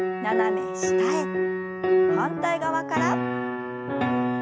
反対側から。